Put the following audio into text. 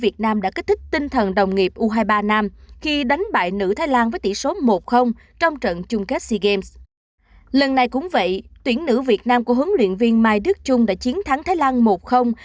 cũng vậy tuyển nữ việt nam của huấn luyện viên mai đức trung đã chiến thắng thái lan một